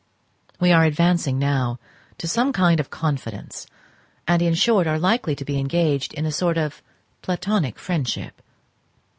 We are advancing now to some kind of confidence, and in short are likely to be engaged in a sort of platonic friendship.